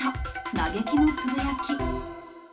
嘆きのつぶやき。